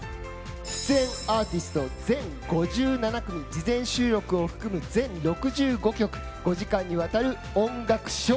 出演アーティスト全５７組事前収録を含む全６５曲５時間にわたる音楽ショー